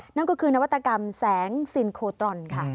นั่นก็คือนวัตกรรมแสงซินโคตรอนค่ะ